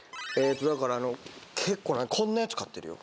だからあの結構こんなやつ買ってるよ。